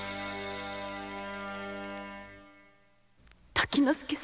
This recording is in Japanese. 時之介様